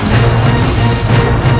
mereka mau balas